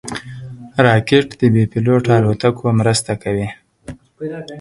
راکټ د بېپيلوټه الوتکو مرسته کوي